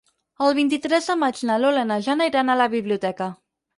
El vint-i-tres de maig na Lola i na Jana iran a la biblioteca.